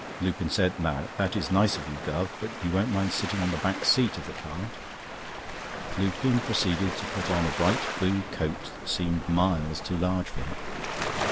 Lupin said: "Now, that is nice of you, Guv., but you won't mind sitting on the back seat of the cart?" Lupin proceeded to put on a bright blue coat that seemed miles too large for him.